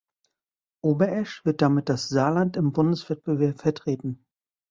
Oberesch wird damit das Saarland im Bundeswettbewerb vertreten.